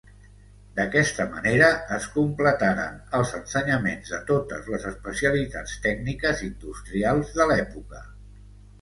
D'aquesta manera es completaren els ensenyaments de totes les especialitats tècniques industrials de l'època.